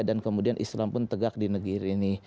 dan kemudian islam pun tegak di negeri ini